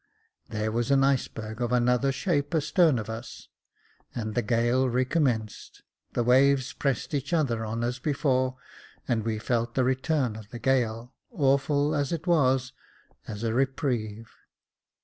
There was an iceberg of another shape astern of us, the gale recommenced, the waves pressed each other on as before, and we felt the return of the gale, awful as it was, as a reprieve.